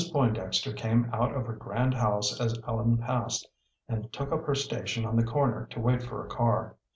Pointdexter came out of her grand house as Ellen passed, and took up her station on the corner to wait for a car.